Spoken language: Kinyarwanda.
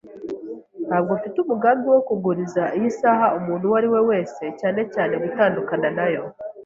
Ntabwo mfite umugambi wo kuguriza iyi saha umuntu uwo ari we wese, cyane cyane gutandukana nayo.